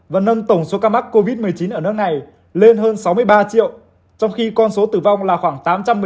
và nâng tổng số ca mắc covid một mươi chín ở nước này lên hơn sáu mươi ba triệu trong khi con số tử vong là khoảng tám trăm một mươi ca